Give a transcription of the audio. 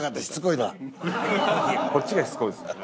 いやこっちがしつこいんです。